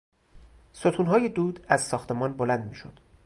ستونهای دود از ساختمان بلند میشد.